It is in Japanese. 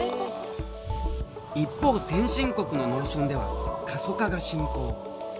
一方先進国の農村では過疎化が進行。